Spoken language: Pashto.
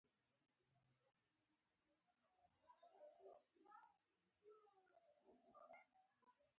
نن همدا کفري نظریه د دین په څېر ده.